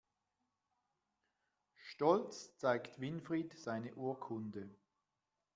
Stolz zeigt Winfried seine Urkunde.